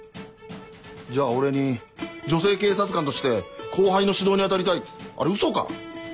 じゃあ俺に「女性警察官として後輩の指導に当たりたい」ってあれウソか？